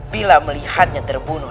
bila melihatnya terbunuh